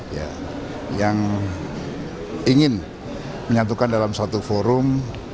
ya yang ingin menyatukan dalam suatu forum